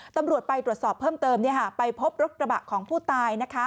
ตำรวจไปตรวจสอบเพิ่มเติมไปพบรถกระบะของผู้ตาย